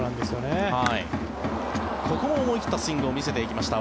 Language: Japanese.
ここも思い切ったスイングを見せていきました。